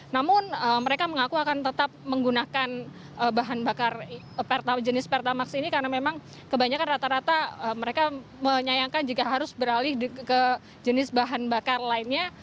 namun mereka mengaku akan tetap menggunakan bahan bakar jenis pertamax ini karena memang kebanyakan rata rata mereka menyayangkan jika harus beralih ke jenis bahan bakar lainnya